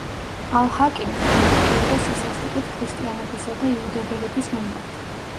ალ-ჰაკიმი გამოირჩეოდა სისასტიკით ქრისტიანებისა და იუდეველების მიმართ.